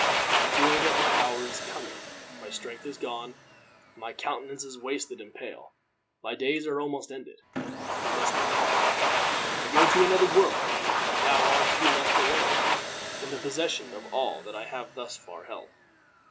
I feel that my hour is coming. My strength is gone; my countenance is wasted and pale. My days are almost ended. We must now part. I go to another world, and thou art to be left alone in the possession of all that I have thus far held.